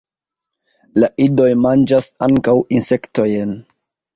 La idoj manĝas ankaŭ insektojn.